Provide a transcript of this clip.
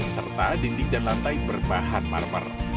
serta dinding dan lantai berbahan marmer